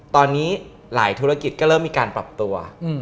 ตอนนี้หลายธุรกิจก็เริ่มมีการปรับตัว